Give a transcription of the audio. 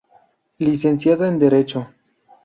Licenciada en Derecho.